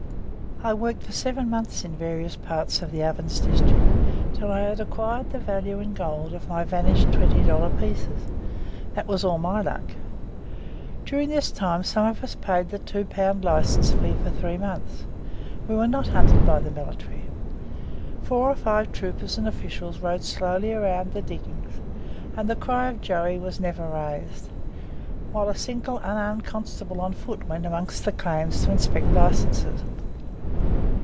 I worked for seven months in various parts of the Ovens district until I had acquired the value in gold of my vanished twenty dollar pieces; that was all my luck. During this time some of us paid the £2 license fee for three months. We were not hunted by the military. Four or five troopers and officials rode slowly about the diggings and the cry of "Joey" was never raised, while a single unarmed constable on foot went amongst the claims to inspect licenses.